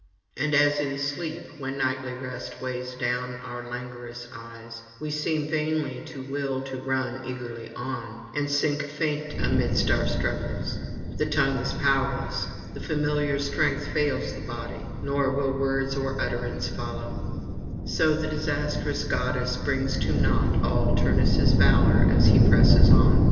And as in sleep, when nightly rest weighs down our languorous eyes, we seem vainly to will to run eagerly on, and sink faint amidst our struggles; the tongue is powerless, the familiar strength fails the body, nor will words or utterance follow: so the disastrous goddess brings to naught all Turnus' valour as he presses on.